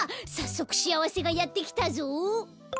さっそくしあわせがやってきたぞ！